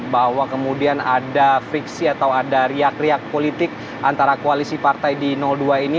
bahwa kemudian ada friksi atau ada riak riak politik antara koalisi partai di dua ini